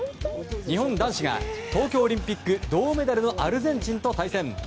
日本男子が東京オリンピック銅メダルのアルゼンチンと対戦。